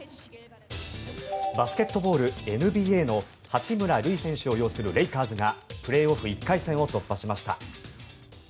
バスケットボールＮＢＡの八村塁選手を擁するレイカーズがプレーオフ１回戦を突破しました。